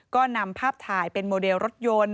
ก็นำภาพถ่ายเป็นโมเดลรถยนต์